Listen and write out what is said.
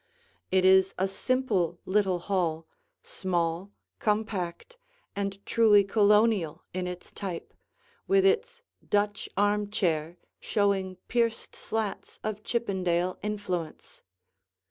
It is a simple little hall, small, compact, and truly Colonial in its type, with its Dutch armchair showing pierced slats of Chippendale influence.